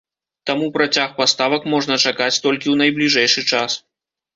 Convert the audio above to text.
Таму працяг паставак можна чакаць толькі ў найбліжэйшы час.